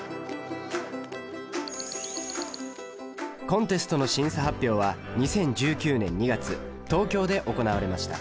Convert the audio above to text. コンテストの審査発表は２０１９年２月東京で行われました。